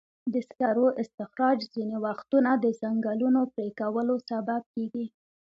د سکرو استخراج ځینې وختونه د ځنګلونو پرېکولو سبب کېږي.